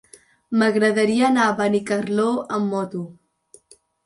M'agradaria anar a Benicarló amb moto.